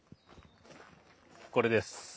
これです。